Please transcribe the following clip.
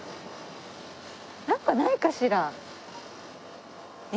なんかないかしら？